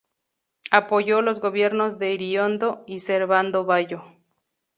Apoyó los gobiernos de Iriondo y Servando Bayo.